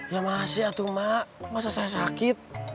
ya masih atu mak masa saya sakit